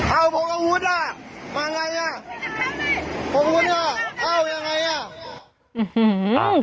เอาพวกอาวุธอ่ะมาไงอ่ะเอาอย่างไรอ่ะ